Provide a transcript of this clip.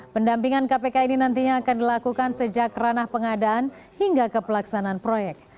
pendampingan kpk ini nantinya akan dilakukan sejak ranah pengadaan hingga ke pelaksanaan proyek